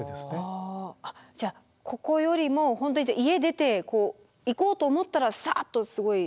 じゃあここよりも本当に家出て行こうと思ったらサッとすごい。